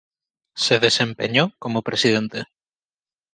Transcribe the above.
Se desempeñó como presidente.